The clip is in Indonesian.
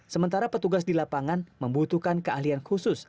sementara petugas di lapangan membutuhkan keahlian khusus